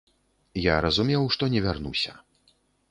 Я разумеў, што не вярнуся.